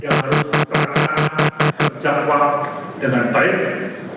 yang harus teraksana berjadwal dengan baik